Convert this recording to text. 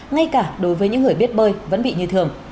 ngay cả đối với những người biết bơi vẫn bị như thường